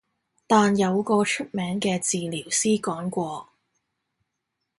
但有個出名嘅治療師講過